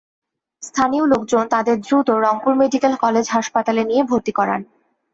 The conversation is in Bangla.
স্থানীয় লোকজন তাঁদের দ্রুত রংপুর মেডিকেল কলেজ হাসপাতালে নিয়ে ভর্তি করান।